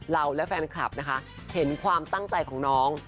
และแฟนคลับนะคะเห็นความตั้งใจของน้อง